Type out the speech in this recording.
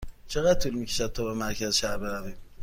چقدر طول می کشد تا به مرکز شهر برویم؟